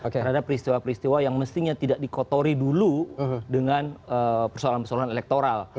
karena ada peristiwa peristiwa yang mestinya tidak dikotori dulu dengan persoalan persoalan elektoral